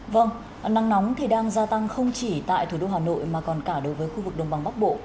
vâng nắng nóng thì đang gia tăng không chỉ tại thủ đô hà nội mà còn cả đối với khu vực đồng bằng bắc bộ